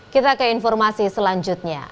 kita ke informasi selanjutnya